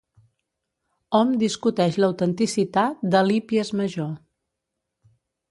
Hom discuteix l'autenticitat de l'Hípies Major.